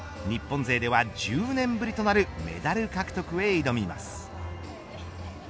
日本勢では１０年ぶりとなるメダル獲得へ挑みます。